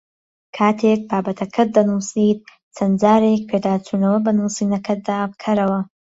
کاتێک بابەتەکەت دەنووسیت چەند جارێک پێداچوونەوە بە نووسینەکەتدا بکەرەوە